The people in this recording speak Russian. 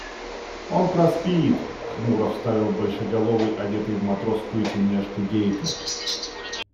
– Он проспит, – хмуро вставил большеголовый, одетый в матросскую тельняшку Гейка.